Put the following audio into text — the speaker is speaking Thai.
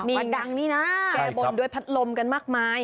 วัดดังนี่นะแก้บนด้วยพัดลมกันมากมาย